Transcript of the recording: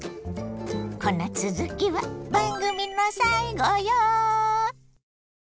このつづきは番組の最後よ。